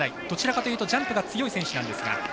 どちらかというとジャンプが強い選手なんですが。